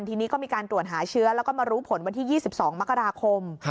ทีนี้ก็มีการตรวจหาเชื้อแล้วก็มารู้ผลวันที่๒๒มกราคม